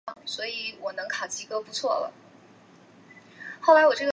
克雷昂塞。